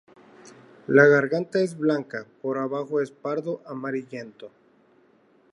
La garganta es blanca, por abajo es pardo amarillento.